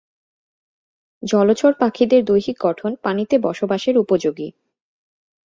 জলচর পাখিদের দৈহিক গঠন পানিতে বসবাসের উপযোগী।